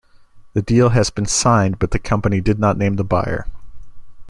The deal has been signed but the company did not name the buyer.